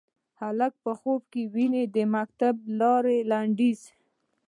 هلک په خوب کې ویني د مکتب لارې لنډیږې